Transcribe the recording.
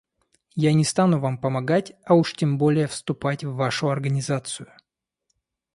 Я не стану вам помогать, а уж тем более вступать в вашу организацию!